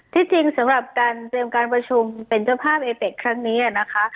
ที่จริงสำหรับการเตรียมการประชุมเป็นเจ้าภาพเอเป็กครั้งนี้นะคะ